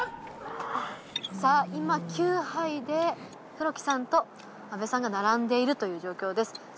さぁ今９杯で黒木さんと阿部さんが並んでいるという状況です。